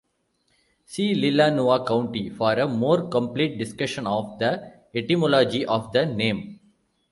See Leelanau County for a more complete discussion of the etymology of the name.